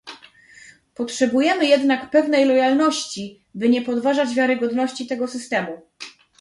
Potrzebujemy jednak pewnej lojalności, by nie podważać wiarygodności tego systemu